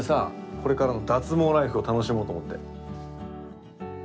これからの脱毛ライフを楽しもうと思って。